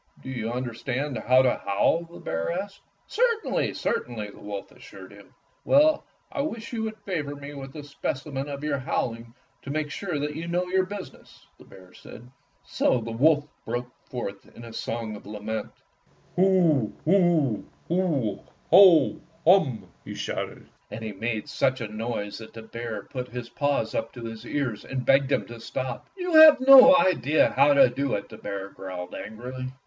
"Do you understand how to howl?" the bear asked. "Certainly, certainly," the wolf assured him. "Well, I wish you would favor me with a specimen of your howling to make sure that you know your business," the bear said. So the wolf broke forth in a song of lament. "Hu, hu, hu, hum, hoh!" he shouted, and he made such a noise that the bear put his paws up to his ears and begged him to stop. "You have no idea how to do it," the bear growled angrily.